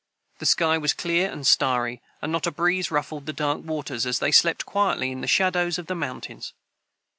The sky was clear and starry, and not a breeze ruffled the dark waters as they slept quietly in the shadows of the mountains.